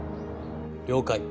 了解。